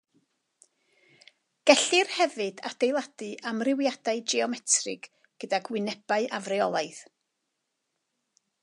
Gellir hefyd adeiladu amrywiadau geometrig gydag wynebau afreolaidd.